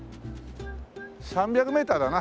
３００メーターだな。